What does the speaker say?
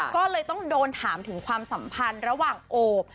ก็เลยต้องโดนถามถึงความสัมพันธ์ระหว่างโอบ